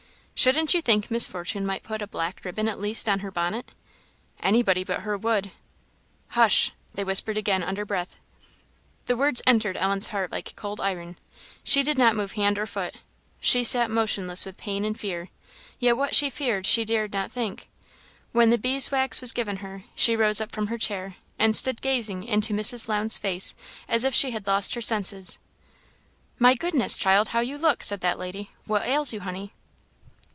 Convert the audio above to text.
"Shouldn't you think Miss Fortune might put a black ribbon at least on her bonnet?" "Anybody but her would." "Hush!" They whispered again under breath. The words entered Ellen's heart like cold iron. She did not move hand or foot; she sat motionless with pain and fear, yet what she feared she dared not think. When the bees' wax was given her, she rose up from her chair, and stood gazing into Mrs. Lowndes' face as if she had lost her senses. "My goodness, child, how you look!" said that lady. "What ails you, honey?"